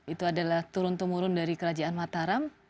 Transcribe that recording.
itu adalah turun temurun dari kerajaan mataram